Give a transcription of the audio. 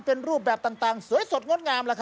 เป็นรูปแบบต่างสวยสดงดงาม